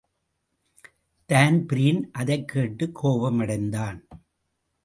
Dan Breen அதைக் கேட்டுக் கோபமடைந்தான்.